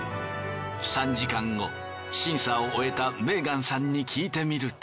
３時間後審査を終えたメーガンさんに聞いてみると。